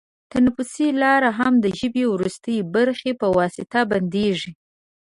تنفسي لاره هم د ژبۍ وروستۍ برخې په واسطه بندېږي.